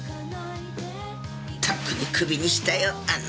とっくにクビにしたよあんな